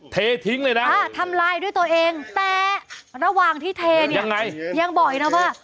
เททิ้งเลยนะทำลายด้วยตัวเองแต่ระหว่างที่เทเนี่ยยังไงยังบอกอีกนะว่า